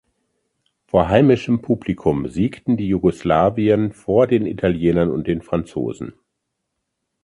Vor heimischem Publikum siegten die Jugoslawien vor den Italienern und den Franzosen.